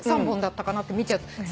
３本だったかなって見ちゃった。